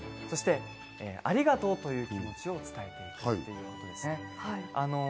そして、ありがとうという気持ちを伝えるということですね。